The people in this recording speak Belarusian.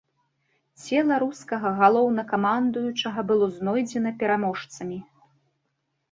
Цела рускага галоўнакамандуючага было знойдзена пераможцамі.